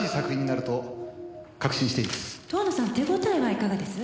「遠野さん手応えはいかがです？」